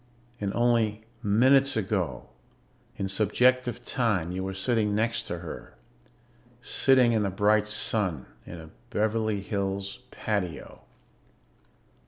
And only minutes ago, in subjective time, you were sitting next to her, sitting in the bright sun in a Beverly Hills patio